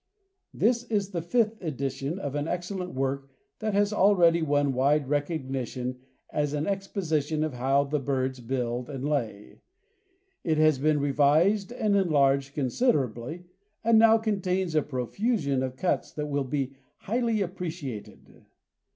This is the fifth edition of an excellent work that has already won wide recognition as an exposition of how the birds build and lay. It has been revised and enlarged considerably, and now contains a profusion of cuts that will be highly appreciated.